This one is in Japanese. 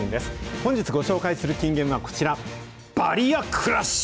本日ご紹介する金言はこちら、バリアクラッシュ！